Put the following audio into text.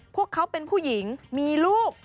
พวกเขาเป็นผู้หญิงมีลูก